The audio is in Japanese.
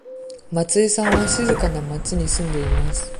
松井さんは静かな町に住んでいます。